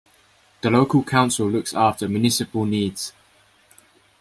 The local council looks after municipal needs.